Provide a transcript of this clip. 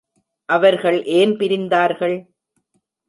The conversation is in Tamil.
அவர்கள் ஏன் பிரிந்தார்கள்?